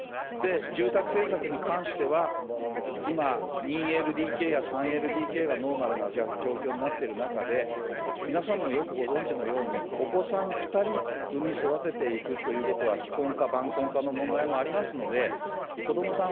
住宅政策に関しては、今、２ＬＤＫや３ＬＤＫがノーマルな状況になっている中で、皆さんもよくご存じのように、お子さん２人産み育てていくということは非婚化、晩婚化の問題もありますので、子どもさん